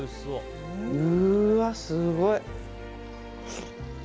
うわ、すごい！